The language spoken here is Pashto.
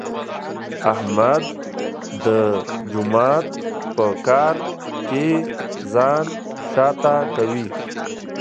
احمد د جومات په کار کې ځان شاته کوي.